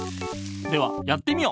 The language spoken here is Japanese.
ではやってみよ。